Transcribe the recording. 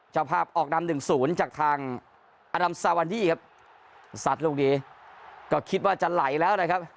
เจ้าภาพออกนำ๑๐จากทางอรัมซาวาดี้ครับสัตว์ลูกดีก็คิดว่าจะไหลแล้วนะครับ